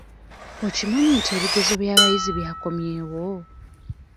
Okimanyi nti ebigezo by'abayizi byakomyewo?